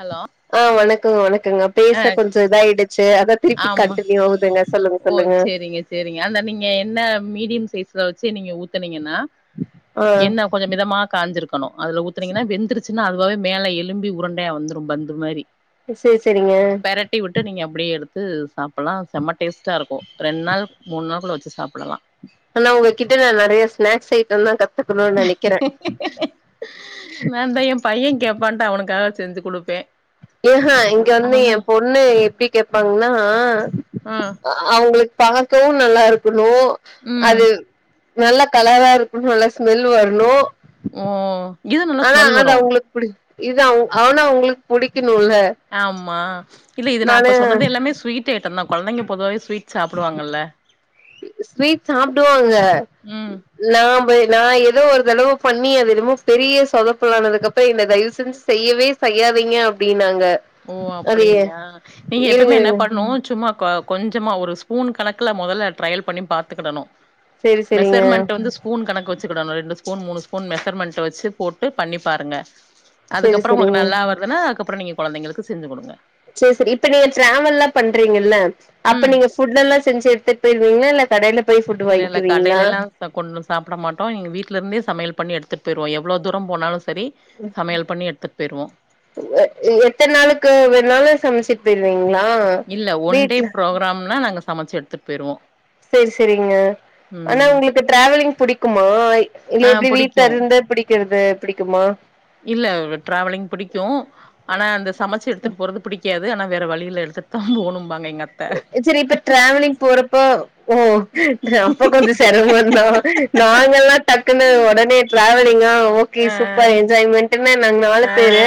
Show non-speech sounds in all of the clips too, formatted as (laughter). Hello ஆ வணக்கங்க வணக்கங்க ஆ பேச கொஞ்ச இதாயிடுச்சு அத திருப்பி ஆமா கண்டினியூ ஆகுதுங்க சொல்லுங்க ஓ சொல்லுங்க சேரிங்க சேரிங்க அந்த நீங்க எண்ண மீடியம் சைஸ்ல வச்சு நீங்க ஊத்துனீங்கன்னா ஆ எண்ண கொஞ்சோ மிதமா காஞ்சிருக்கணு அதுல ஊத்துனீங்கன்னா வெந்துருச்சுன்னா அதுவவே மேல எலும்பி உருண்டையா வந்துரு பந்து மாரி சேரி சேரிங்க பெரட்டி விட்டு நீங்க அப்டியே எடுத் வச்சு சாப்புலா செம்ம டேஸ்ட்டா இருக்கு ரெண் நாள் மூன் நாள் கூட வச்சு சாப்புல்லா ஆனா உங்ககிட்ட நா நெறயா ஸ்நாக்ஸ் ஐட்டம் தா கத்துக்கணும்னு நெனக்குறே நான்தா எ பைய கேப்பான்ட்டு அவனுக்காக செஞ்சு குடுப்பே ஏஹா இங்க வந்து அவ எ பொண்ணு எப்டி கேப்பாங்கன்னா ஆ அவுங்களுக்கு பாக்கவு நல்லா இருக்கனு ம் அது நல்ல கலரா இருக்கனு நல்லா ஸ்மெல் வரனு ம் ஆனா அது அவுங்களுக்கு புடி இது அவ அவனா அவுங்களுக்கு புடிக்கணும்ல ஆமா இல்ல இது நா நானு இப்ப சொன்னது எல்லாமே ஸ்வீட் ட் ஐட்டம் தா கொழந்தைங்க பொதுவாவே ஸ்வீட் சாப்டுவாங்கல்ல ஸ்வீட் சாப்டுவாங்க ம். நா நா ஏதோ ஒரு தடவ பண்ணி அது என்னமோ பெரிய சொதப்பலானதுக்கப்பறோ என்ன தயவு செஞ்சு செய்யவே செய்யாதீங்க அப்டின்னாங்க ஓ அது ஏ- அப்டிங்களா நீங்க இருங்க எப்பயுமே என்ன இருங்க பண்ணனு சும்மா கொஞ்சமா ஒரு ஸ்பூன் கணக்குல மொதல்ல ட்ரையல் பண்ணி பாத்துக்கிடணு செரி செரிங்க மெஷர்மெண்ட்டு வந்து ஸ்பூன் கணக்கு வச்சுக்குடணு ரெண்டு ஸ்பூன் மூனு ஸ்பூன் மெஷர்மெண்ட்டு வச்சு போட்டு பண்ணிப்பாருங்க செரி அதுக்கப்புறோ ஒங்களுக்கு செரிங்க நல்லா வருதுன்னா அதுக்கப்புறோ நீங்க கொழந்தைங்களுக்கு செஞ்சு குடுங்க செரி செரி இப்ப நீங்க டிராவல்லா பண்றீங்கல்ல அப்ப ம். நீங்க ஃபுட் எல்லா செஞ்சு எத்துட்டு போயிருவீங்ளா இல்ல கடையில போய் ஃபுட் இல்ல, இல்ல ம். வாங்கிக்குவீங்ளா கடையிலலாம் ம். கொண்டு சாப்ட மாட்டோ எங்க வீட்லேந்தே சமயல் பண்ணி எடுத்துட்டு போயிருவோ எவ்ளோ தூரோ போனாலு சரி ம் சமையல் பண்ணி எடுத்துட் போயிருவோ எத்தன நாளுக்கு வேணாளு சமச்சுட்டு போயிருவீங்ளா இல்ல ஒன் டே ப்ரோக்ராம்னா நாங்க சமைச்சு எடுத்துட்டு போயிடுவோ சரி சரிங்க ஆனா உங்களுக்கு டிராவலிங் புடிக்குமா இல்ல ஆ எப்டி வீட்ல பிடிக்கும். இருந்த பிடிக்கிறது பிடிக்குமா இல்ல ட்ராவலிங் பிடிக்கு ஆனா அந்த சமைச்சு எடுத்துட்டு போறது பிடிக்காது ஆனா வேற வழியில்ல எடுத்துட்டு தா போணும்பாங்க எங்க அத் சரி இப்ப ட்ராவலிங் போறப்போ ஓ அப்ப கொஞ்சோ சிரமந்தா நாங்கல்லா டக்குன்னு உடனே ட்ராவலிங்கா ஓகே ஆ சூப்பர் என்ஜாய்மெண்ட் நாங்க நால ஆ பேரு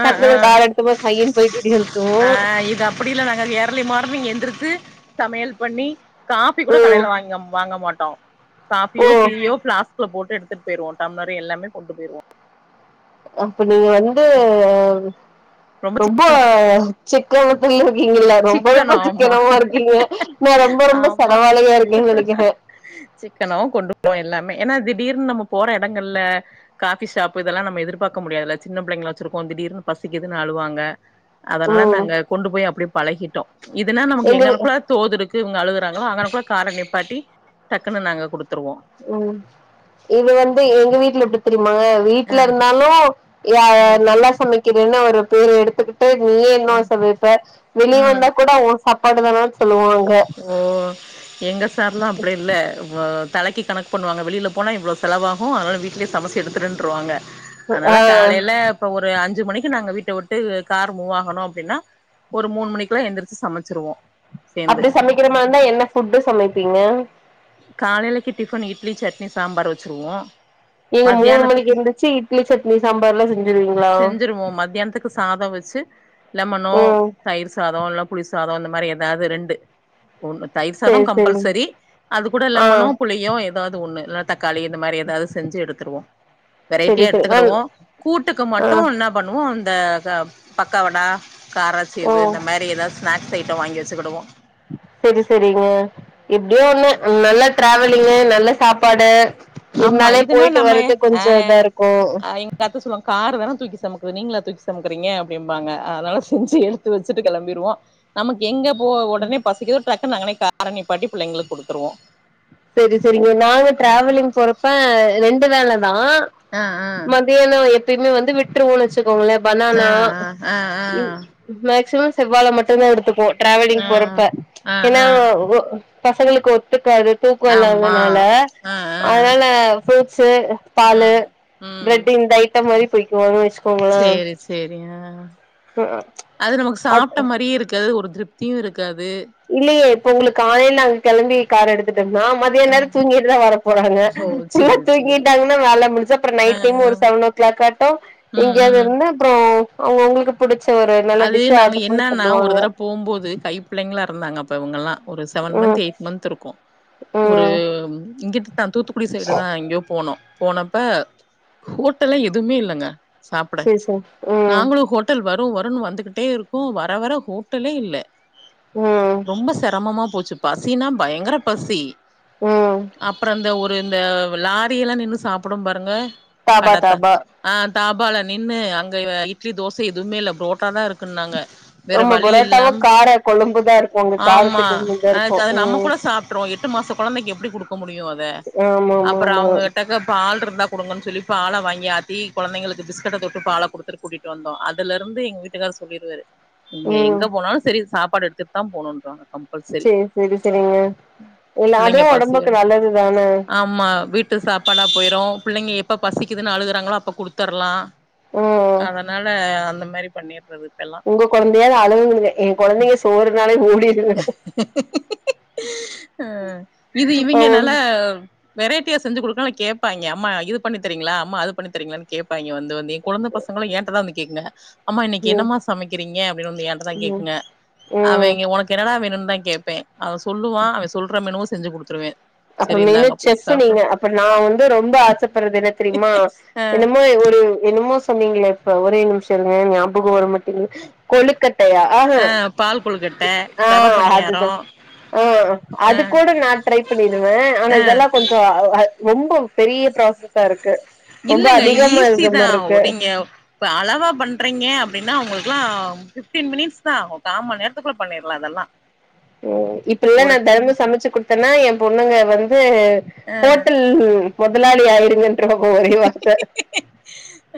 ஆ ஆ டக்கு கார எடுத்து போ சையன்னு போயிட்டு இப்டி வன்ட்டோம் அப்படி இல்ல நாங்க ஏர்லி மார்னிங் எந்திரிச்சி சமையல் பண்ணி காஃபி கூட ஓ கடையில வாங்கி வாங்க மாட்டோ ஓ காஃபியோ டீயோ ஃபிளாஸ்க்ல போட்டு எடுத்து போயிருவோ டம்ளர் எல்லாமே போட்டு போயிருவோ அப்ப நீங்க வந்து ரொம்ப ரொம்போ சிக்கனோ சிக்கனத்துல இருக்கீங்கல்ல ரொம்ப ரொம்ப சிக்கனோ ஆமா சிக்கனமா இருக்கீங்க நா ரொம்ப ரொம்ப பரவால்லயா இருக்கிங்க நெனைக்கிறே சிக்கனவு கொண்டு போவோம் எல்லாமே ஏன்னா திடீர்னு நம்ம போற இடங்கள்ல காபி ஷாப்பு இதெல்லா நம்ம எதிர்பாக்க முடியாதுல்ல சின்ன பிள்ளைங்கள வச்சிருக்கோ திடீர்னு பசிக்குதுனு அழுவாங்க அதனால ம் நாங்க கொண்டு போய் அப்படியே பழகிட்டோ இதுன்னா நமக்கு எங்க வீ- எங்களுக்குள்ள தோதுருக்கு இவங்க அழுகுறாங்களா அங்கள குள்ள கார நிப்பாட்டி டக்குன்னு நாங்க குடுத்துருவோ ம் இது வந்து எங்க வீட்ல எப்டி தெரியுமாங்க ஆ வீட்ல இருந்தாலோ நல்லா சமைக்கிறேன்னு ஒரு பேர் எடுத்துக்கிட்டு நீயே இனும் ம் சமைப்ப வெளிய ம் வந்தா கூட உ சாப்பாடு தானானு சொல்லுவாங்க ஓ எங்க சார்ல்லா அப்படி இல்ல தலைக்கு கணக்கு பண்ணுவாங்க வெளியில போனா இவ்வளவு செலவாகும் அதனால வீட் ல சமைச்சி எடுத்துடுன்றுவாங்க ஆ அதனால காலைல ஒரு அஞ்சு மணிக்கு நாங்க வீட்ட விட்டு கார் மூவ்வா பும் அப்படின்னா ஒரு மூணு மணிக்குலா எழுந்திரச்சு சமைச்சிருவோம் அப்டி சமைக்கிற மாதிரி இருந்தா என்ன ஃபுட்டு சமைப்பீங்க காலைலிக்கு டிஃபன் இட்லி சட்னி சாம்பார் வச்சுருவோ நீங்க மூணு மணிக்கு மத்தியானத்துக்கு எந்திரிச்சு இட்லி சட்னி சாம்பார்லா செஞ்சிருவீங்களா செஞ்சிருவோ மத்தியானத்துக்கு சாதோ வச்சி லெமனோ ம் தயிர் சாதோ இல்ல புளி சாதோ இந்த மாரி ஏதாவது ரெண்டு ஒன்னு தயிர் சாதோ சேரி சேரிங் கம்பல்சரி அது கூட ஆ லெமனோ புளியோ ஏதாவது ஒண்ணு ல தக்காளி இது மாரி ஏதாவது செஞ்சு எடுத்துருவோ செரி வெரைட்டியா செரி எடுத்துகுடுவோ கூட்டுக்கு ஆ ஆ மட்டு பண்ணுவோ இந்த பக்கவடா காரா சேவு ஓ இந்த மாரி ஏதாவ ஸ்னாக்ஸ் ஐட்டோ வாங்கி வெச்சிகுடுவோ சரி சரிங்க எப்டியோ ஒண்ணு நல்ல ட்ராவலிங்கு நல்ல சாப்பாடு ஆமா இருந்தாலே இதுன்னா போயிட்டு நம்ம வர்றது ஆ கொஞ்சோ இதா இருக்கோ ஆ அத்த சொல்லுவாங்க காரு வேனு தூக்கி சுமக்குது நீங்களா தூக்கி சுமக்கறீங்க அப்டிம்பாங்க அதனால செஞ்சு எடுத்து வச்சுட்டு கெளம்பிருவோ நமக்கு எங்க போ உடனே பசிக்குதோ ட்க்குனு அங்கனே கார நிப்பாட்டி பிள்ளைங்களுக்கு குடுத்துருவோ சரி சரிங்க நாங்க ட்ராவலிங் போறப்ப ரெண்டு வேலதா ஆ ஆ (unintelligible) எப்பயுமே வந்து விட்றுவோனு வச்சுக்கோங்களே ஆ பனானா ஆ ஆ ஆ மேக்சிமம் செவ்வாழ மட்டுதா எடுத்துப்போம் ஆ டிராவலிங் போறப்ப ஆ ஆ ஏன்னா ஆ பசங்களுக்கு ஒத்துக்காது தூக்கோ ஆமா இல்லாதனால ஆ ஆ அதனால ஃப்ரூட்ஸீ ஆ பாலு ம் பிரெட் இந்த ஐட்டோ மாரி போய்குவோ சேரி சேரி அ அது நமக்கு அத் சாப்ட் மாரியே இருக்காது ஒரு திருப் தீவு இருக்காது இல்லையே இப்ப உங்களுக்கு காலைல அங்க கெளம்பி கார் எடு த்து நா மதிய ஆ நேரோ தூங்கிட்டுதா வர போறாங்க ஓ ஃபுல்லா சேரி சேரி தூங்கிட்டா வேல முடிச்சா அப்றோ ஆ நைட் டைமு ஆ சேவனோ ல கட்டு ம் எங்கேயாவது ம் இருந்தா அவுங்க அவுங்களுக்கு புடிச்ச ஒரு நல்ல அது டிஷ நாங்க ஆர்டர் பண்ணி என்னன்னா ஒரு சாப்டுவாங்க தடவ போம்போது கைப்பிள்ளைங்களா இருந்தாங்க அப்ப இவுங்கல்லா ஒரு செவன் மந்த் ம் எயிட் மந்துருக்கு ஒரு ம் இங்கிட்ட தா தூத்துக்குடி சைடு தா எங்யோ போனோ போன ம்ம் ஹோட்டல எதுவுமே இல்லங்க சேரி சேரி ம் நாங்களு ஹோட் டல் வரு வருன்னு வந்துகிட்டே இருக்கோ வர வர ஹோட்டலே இல்ல ம் ரொம்ப செரமமா போச்சு பசினா பயங்கர பசி ம் அப்றோ இந்த ஒரு இந்த லாரி எல்லா நின்னு சாப்புடும் பாருங்க தாபா கடத்த தாபா ஆ தாபால நின்னு அங்க இட்லி தோச எதுவுமே இல்ல புரோ ட்டா தா இருக்குன்னாங்க வேற ஆமா வழி புரோட்டாவு இல்லாம் கார கொழும்புதா இருக்கு அங்க ஆமா காரத்துக்கு கொழும்புதா ஆ இருக்கு அத நம்ம ம் கூட சாப் அப்றோ எட்டு மாசோ கொழந்தைக்கு எப்டி குடுக்க முடியு அத ஆமா ஆமா அப்பறோ ஆமா அவுங்க கிட்ட பால் இருந்தா குடுங்கன்னு சொல்லி பால வாங்கி ஆத்தி கொழந்தைங்களுக்கு பிஸ்கட்ட தொட்டு பால குடுத்து கூட்டிட்டு வந்தோ அதுல இருந்து எங்க வீட் டுக்காரு சொல்லிடுவாரு நீங்க ம் எங்க போனாலு சரி சாப்பாடு எடுத்துட்டு தா போணுன்றாங் சேரி சேரிங்க இல்ல பிள்ளைங்க அதுவு பசியோட ஒடம்புக்கு நல்லதுதானே ஆமா வீட்டு சாப்பாடா போயிரு பிள்ளைங்க எப்ப பசிக்குதுன்னு அழுகுறாங்களோ அப்ப குடுத்துறலா ஓ அதுனால அந்த மாரி பண்ணிறது உங்க கொழந்தையாவாது அழுவுதுங்கக்க எங்க கொழந்தைங்க சோறுனாலே ஓடிருங்க அ இது ம் இவேங்கனாள வெரைட்டியா செஞ்சு குடுக்கலா கேப்பாங்கே அம்மா இது பண்ணித்தரீங்களா அம்மா அது பண்ணித்தரீங்களான்னு கேப்பங்கே வந்து வந்து கொழந்த பசங்களு ஏன்ட தா வந்து கேக்குங்க அம்மா இன்னைக்கி ம் என்னமா சமைக்கிறீங்க அப்டின்னு வந்து என்டதா ம் கேக்குங்க ம் அவேங்க ஒனக் எனடா வேணுனு தா கேடப்பே அவன் சொல்லுவான் அவன் சொல்ற மெனுவ செஞ்சு குடுத்துருவே சரி அப்பறமென இந்தாங்க போய் செஸ் சாப்டு நீங்க அப்ப நா வந்து ரொம்ப ஆசப்படுறது என்ன தெரியுமா அ என்னமோ ஒரு என்னமோ சொன்னீங்களா இப்ப ஒரே நிமிஷோ இருங்க ஞாபகோ வர மாட்டீங்குது கொழு கட்டையா ஆகு அ பால் கொழுக்கட்ட ஆ ரவ பணியாரோ அதுதா ஆ அ அது கூட நா ட்ரை அப்டின்னுங்க ஆனா அ இதெல்லா கொஞ்சோ ரொம்போ பெரிய ப்ராசஸா இருக்கு ரொம்ப இல்லங்க அதிகமா ஈஸீ இருக்க தா மாரி இருக்கு நீங்க இப்போ அளவாக பண்ணறறிங்க அப்டின்னா அவுங்களுக்குலா ஃபிப்டீன் மினிட்ஸ் தா கா மண் நேரத்துக்குள்ள பண்ணிடலா அதெல்லா ம் இப்புல்லா ஒரு நா டம் தெனமு சமச்சு குடுத்தேன்னா ஏ பொண்ணுங்க வந்து ஆ ஹோட்டல் மொதலாளி ஆயிருங்கன்றவங்க ஒரே வார்த்த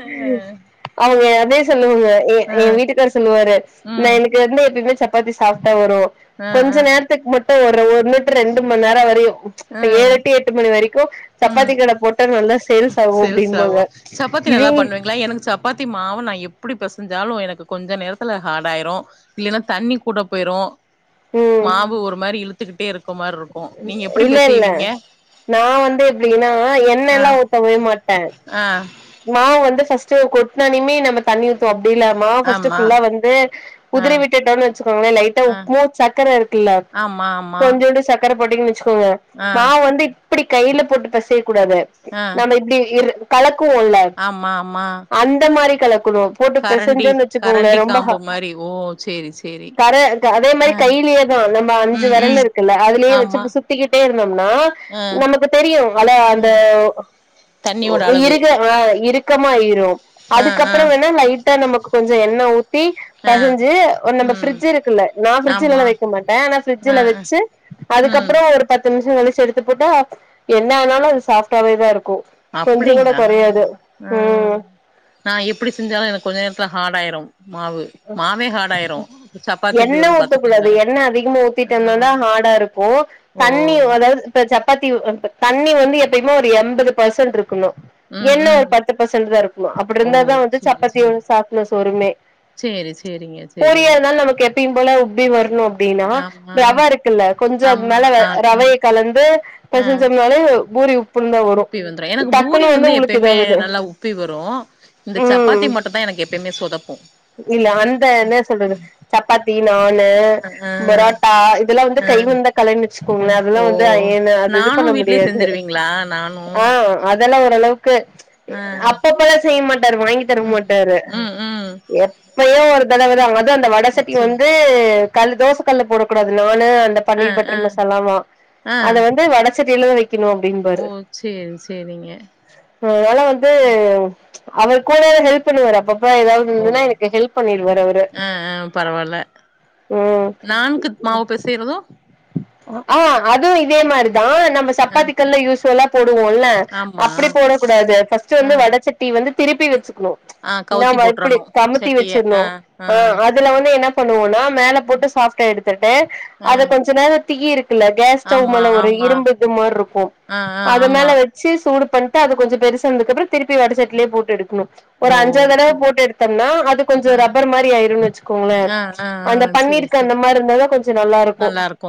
ஆ அவுங்க அதே சொல்லுவாங்க ஏ ஆ ஏ வீட்டுக்காரு சொல்லுவாரு நா ம் எனக்கு வந்து எப்பேமே சப்பாத்தி சாப்ட்டா வரு ஆ கொஞ்ச ஆ நேரத்துக்கு மட்டு ஒரு ஒருன்னூட்டு ரெண்டு மண் நேரோ ஆகுது இப்ப ஆ ஏழு டூ எட்டு மணி வெரைக்கு ம் சப்பாத்தி கட போட்ட நல்லா சேல்ஸ் ஆகு அப்டின்னுபாங்க இவிங் லா எனக்கு சாப் பாத்தி மாவ நா எப்புடி பெசஞ்சாலு எனக்கு கொஞ்ச நேரத்துல ஹார்டாயிரு இல்லன்னா தண்ணி கூட போயிரும் ம் மாவு ஒரு மாரி இழுத்துக்கிட்டே இருக்க மாரி இருக்கு நீங்க எப்டி இல்ல இல்ல பெசயரிங்க நா வந்து எப்டின்னா எண்ணல்லாம் ஊத்தவே மாட்ட அ மாவு வந்து ஃபஸ்ட்டு கொட்னனயுமே நம்ம தண்ணி ஊத்தோம் அப்டி இல்ல மாவு ஃபர்ஸ்ட்டு ஆமா ஃபுல்லா வந்து ஆ குதுர விட்டுட்டோம்னு வச்சுக்கோங்களேன் லைட்டா ஆ உப்பு சக்கர இருக்குல்ல ஆமா ஆமா கொஞ்சோண்டு சக்கர போட்டிண் வச்சுக்கோங்க ஆ மா வந்து இப்டி கைல போட்டு பெச கூடாது ஆ நம்ம இர் கலக்குவோம்ல ஆமா ஆமா அந்த மாரி கலக்கணும் போட்டு கரண்டி பெசஞ்சன்னு வச்சிகோங்கள கரண்டி ரொம்ப ஹா காம்பு மாரி ஓ சேரி சேரி கர அதே மாரி ஆ கைலயே தா நம்ம அஞ்சு ம் வெரல் ம் இருக்குல்ல அதுலயே ஆமா வச்சு சுத் திகிட்டே இருந்தோம்னா ஆ நமக்கு தெரியு வல அந்த ம் தண்ணியோட அளவு இருக்கு இருட் ட்டு இருக்கமாயிரும் ஆ ஆ அதுக்கப்றம் வேணா லைட்டா நமக்கு கொஞ்ச எண்ண ஊ த்தி ஆ பெசஞ்சு ஒரு நம்ம ம் பிரிட்ஜ் இருக்குல்ல நா ப்ரிட்ஜ்லலா ஆமா எல்லாம் வக்க மாட்டே ஆனா ஆ ப்ரிட்ஜ்ல ஆ வச்சு ம் அதுக்கப்றம் ஒரு பத்து நிமிஷம் களிச்சு எடுத்து போட்டா என்ன ஆனாலும் அது சாஃடாவேதா இருக்கு அப்டிங்களா கொறயாது ஆ ம் நா எப்படி செஞாலும் எனக்கு கொஞ்ச நேரத்துல ஹார்ட ஆயிரும் சப்பாத்தி எப்டி எண்ண வரும்னு பாத்துக்கங்க ஊத்தக்கூடாது எண்ண அதிகமா ஊத்திட்டு ஆ வந்ததா ஹார்டா இருக்கு அப்போ தண்ணி ஓ அதாது இப்ப சப்பாத்தி தண்ணி வந்து எப்பயுமே ஒரு எம்பது பர்சன்ட் இருக்கணு ம் எண்ண ஒரு ம் பத்து பர்சன்ட் தா இருக்கணும அப்டி ஓ இருந்தா தா சேரி சப்பாத்தி சேரி சாப்ட்டுனஸ் வருமே சேரி சேரிங்க சேரிங்க பொரியல்னால நமக்கு எப்பையும் போல உப்பி வரணு அப்டின்னா ஆமா ரவ இருக்குல்ல கொஞ்ச அது ஆமா மேல ஆ ஆ ரவய கலந்து ஆ பெசன்சம்னாலே பூரி உப் உப்பி வந்துரும் எனக்கு பூரி வந்து எப்பயுமே இதாகுது நல்லா உப்பி வரும் இந்த ம் சப்பாத்தி மட்டு தா எனக்கு எப்பமே சொதப்போம் இல்ல வந்த என்ன சொல்றது சப்பாத்தி நாணு ஆ ஆ பரோட்டா இதல்லாம் வந்து ஆ கை வந்த கலனு கல வச்சுக்கோங்களே ஓ அதல்லாம் வந்து ஏன அது இது நானு பண்ண வீட்லயே முடியாது செஞ்சிருவீங்களா நானு அதல்லாம் ஓரளவுக்கு ஆ அப்பப்பலாம் செய்ய மாட்டாரு வாங்கி தர ம் மாட்டாரு ம் ம் எப்பயோ ஒரு தடவ தான் போது அந்த வடசட்டி சேரி வந்து கல் தோச கல் போடக்கூடாது நானு அந்த ஆ பன்னீர் ஆ பட்டர் மசாலாமா ஆ அத வந்து வட சட்டில தா வ மா ஓ அப்டின்ப்பாரு சேரி சேரிங்க அதனால வந்து அவரு கூட ஹெல்ப் பண்ணுவரு அப்பப்ப ஏதாது ஓ இல்லனா எனக்கு ஹெல்ப் பண்ணிடுவாரு அவரு ஆ ஆ பரவால்ல ம் நான்கு மாவு பெசயருது அ ஆ அதுவும் இதே மாரிதான் நம்ம ஆ சப்பாத்திக்கல்லாம் யூஸ்வல்லா போடுவோம்ல்ல ஆமா அப்டி போடக்கூடாது ஃபஸ்ட் ஆ வந்து வடச்சட்டி வந்து திருப்பி வச்சுக்கணும் ஆ கவுத்தி நாம எப்டி போட்றணு கமுத்தி சட்டிய வச்சிரனு ஆ ஆ அது துல வந்து என்ன பண்ணுவோம்னா மேல போட்டு சாப்ட்டா எடுத்துட்டு ஆ அத கொஞ்ச நேரம் தீ இருக்கு கேஸ் ஸ்டவ் ஆமா மேல ஒரு ஆமா இரும்பு இது மாற் இருக்கும் ஆ ஆ அது ஆமா மேல வ சி சூடு பண்ட்டு அது கொஞ்ச பெருசானது அப்பறோ திருப்பி வடசட்டிலயே போட்டு எடுக்கணு ஓ ஒரு அஞ்சாறு தடவ சேரி போட்டு எடுத்தோம்ன்னா அது கொஞ்சோ ஆ ரப்பர் மாரி ஆயிரும்ன்னு வச்சுக்கோங்களே ஆ ஆ ஆ அந்த சேரி பன்னீருக்கு அந்த மாரி இருந்தா தா கொஞ்ச நல்லாருக்கும் இப்போ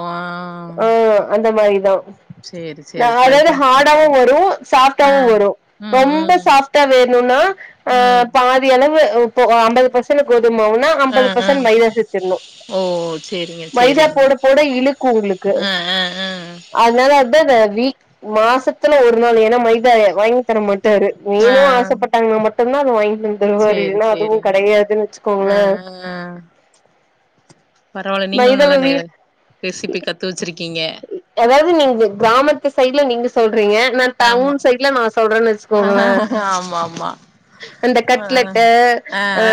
ஆ அந்த மாரிதா சேரி நா சேரி ட்ரை அதாவ்து பண்ணி பாக்குறே ஹார்டாவும் வரும் ஆ சாஃப்டாவும் வரும் ம் ரொம்ப ம் சாஃப் சாஃப்டா வேனுனா அ ம் பாதி அளவு இப்போ அம்பது பசன்ட் சில கோதுமாவுனா ஆ ஐம்பது ஆ ஃபர்சன்ட் மைதா சேத்திர்ணும் ஓ சேரிங்க மைதா சேரிங்க போட அப்பதா இழுக்கும் உங்குளுக்கு ஆ ஆ ஆ அத்னால அந்தந்த வீக் மாசத்துல ஒரு நாள் ஏன்னா மைதாய வாங் தர மாட்டாரு ஆ வேணும் ஆசப்பட்டாங்ன்னா மட்டும் தான் அது வாங்கி த தருவாரு சேரி இல்லன்னா அதுவும் கடையாதுன்னு வச்சுகோங்கள அ பரவால்ல நீங்களும் மைதாவ நல்லா நெ வீ ரெசிபி கத்து வச்சிருக்கீங்க ஏதாவ்து நீங்க கிராமத்து சைட்ல நீங்க சொல்றீங்க நா ஆமா டவுன் சைட்ல நா சொல்றன்னு ஆ வச்சுக்கோங்கள ஆமா ஆமா அந்த ஆ கட்லெட்டு, ஆ அ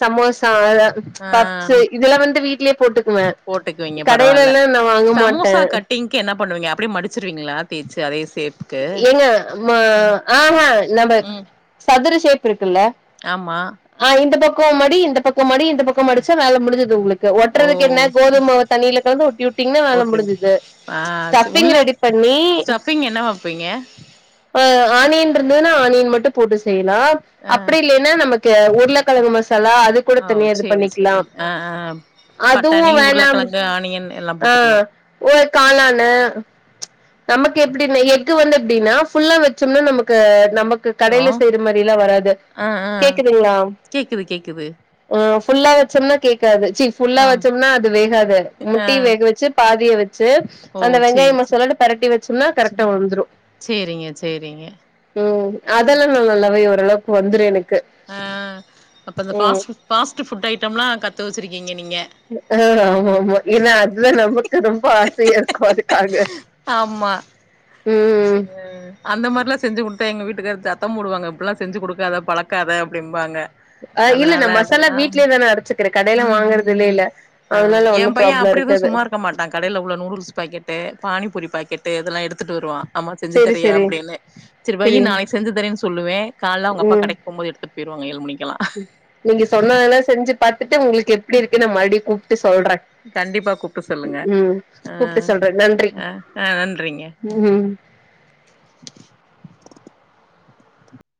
சமோசா, அந்த ஆ ஆ பப்ஸு இதெல்லா வந்து வீட்லே போட்டுக்குவே போட்டுக்குவீங்க பரவால்ல கடையிலல்லா நா வாங்க மாட்டே சமோசா கட்டிங்கு என்ன பண்ணுவீங்க அப்டியே மடிச்சிருவீங்ளா ஏங்க ம ம் ஆஹா நம்ப ம் சதுர ஷேப் இருக்குல்ல ஆமா ஆ இந்த பக்கோ மடி இந்த பக்கோ மடி இந்த பக் கோ மடிச்சா வேல முடிஞ்சுது உங்குளுக்கு ஓ ஒட்றதுக்கு என்ன கோதும மாவ தண்ணியில கலந்து ஒட்டி யூட்டிங்னா வேல ஓகே முடிஞ்சுது ஸ்டஃப்பிங் ரெடி பண் ஸ்டஃப்பிங் என்ன வப்பீங்க அ ஆணியன் இன்ருதுன்னா ஆணியன் மட்டும் போட்டு செய்லாம் ஆ அப்டி இல்ல ன்னா நமக்கு உருளக்கெழங்கு மசாலா அதுக் கூட ஓ தனியா இது சேரி சேரி பண்ணிக்லாம் ஆ ஆ பட்டாணி அதுவும் வேணா அப்டி உருளக்கெழங்கு ஆனியன் எல்லா அ போட்டுக்கலா ஓ காளானு நமக்கு எப்டின் எக்கு வந்து எப்டின்னா ஃபுல்லா வச்சோம்னா நமக்கு நம க்கு ஹலோ கடையில செய்ற மாரில்லாம் வராது ஆ ஆ கேக்குதுங்ளா கேக்குது கேக்குது அ ஃபுல்லா வச்சோம்னா கேக்காது சீ ஃபுல்லா ஆம் வச்சோம்னா அது வேகாது ஆ முட்டய வேகவச்சு பாதிய வச்சு ஓ அந்த வெங்காய சேரி சேரி மசாலா ஓட தெரட்டி வச்சோம்னா கரெக்டா சும் வுழுந்துரும் சேரிங்க சேரிங்க ம் அதெல்லாம் நா நல்லாவே ஓரளவுக்கு வந்துரும் எனக்கு ஆ அப்ப அந்த ம் ஃபாஸ்ட்டு ஃபாஸ்ட் ஃபுட் ஐட்டம்லா கத்து வச்சிருக்கீங்க நீங்க அ ஆமா ஆமா ஏன்னா அதுதா நமக்கு ரொம்ப ஆசையா இருக்கும் அதுக்காக ஆமா ம் சே அந்த மாரிலா செஞ்சு குடுத்தா எங்க வீட்டுக்கார் சத்தம் போடுவாங்க இப்டில்லா செஞ்சு குடுக்காத பழக்காத அப்டின்ம்பாங்க அ இல்லங்க நா மசாலா வீட்லேதான அரைச்சுக்கிற கடையில ம் ம் வாங்கற்தில்லைல அதனால ஒண்ணு ப்ராப்ள இருக்காது க மாட்டா கடையில உள்ள நூடுல்ஸ் பாக்கெட்டு பானிபூரி பாக்கெட்டு இதெல்லா எடுத்துட்டு வருவா ஆம்மா செஞ்சு சேரி தரியா சேரி அப்டின்னு செரி வையி சரி நாளைக்கு செஞ்சு தரேன்னு சொல்லுவே கால்ல அவுங்க அப்பா கடைக்கு போகும்போது எடுத் ட் போயிருவாங்க ஏழு மணிக்கெல்லா ம் நீங்க சொன்னதுல்லா செஞ்சு பாத்துட்டு உங்குளுக்கு எப்டி இருக்குன்னு மறுடி கூப்ட்டு சொல்ற கண்டிப்பா கூப்ட்டு சொல்லுங்க ம் ஆ கூப்ட்டு சொல்ற நன்றி ஆ ஆ நன்றிங்க ம்